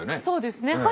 そうですね。